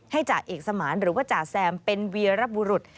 จ่าเอกสมานหรือว่าจ่าแซมเป็นเวียระบุรุษ